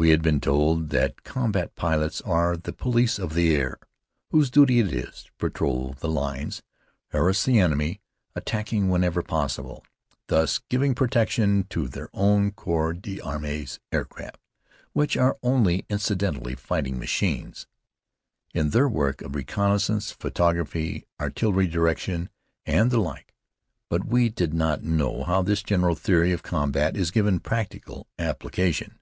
We had been told that combat pilots are "the police of the air," whose duty it is to patrol the lines, harass the enemy, attacking whenever possible, thus giving protection to their own corps d'armée aircraft which are only incidentally fighting machines in their work of reconnaissance, photography, artillery direction, and the like. But we did not know how this general theory of combat is given practical application.